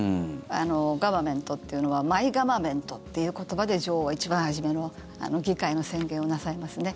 ガバメントっていうのはマイガバメントっていう言葉で女王は一番初めの議会の宣言をなさいますね。